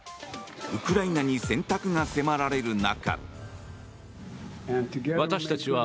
ウクライナに選択が迫られる中。